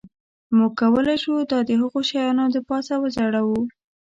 موږ کولی شو دا د هغو شیانو د پاسه وځړوو